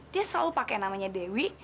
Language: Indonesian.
dia selalu pakai namanya dewi